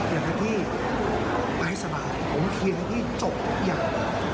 อยากให้พี่ไปให้สบายผมเคลียร์ให้พี่จบทุกอย่าง